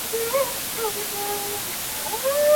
که عضوي سرې وکاروو نو حاصل نه زهریږي.